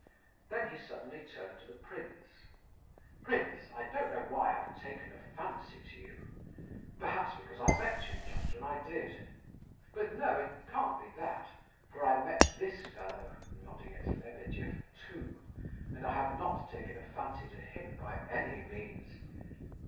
Then he suddenly turned to the prince: "Prince, I don't know why I have taken a fancy to you; perhaps because I met you just when I did. But no, it can't be that, for I met this fellow" (nodding at Lebedeff) "too, and I have not taken a fancy to him by any means.